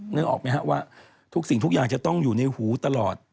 นึกออกไหมครับว่าทุกสิ่งทุกอย่างจะต้องอยู่ในหูตลอด